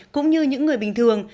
cũng như những người bình thường